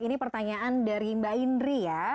ini pertanyaan dari mbak indri ya